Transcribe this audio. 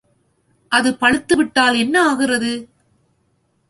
அது பழுத்துவிட்டால் என்ன ஆகிறது?